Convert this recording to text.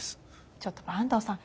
ちょっと坂東さん